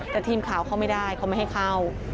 แต่ทีมข่าวเขาไม่ได้เขาไม่ให้เข้า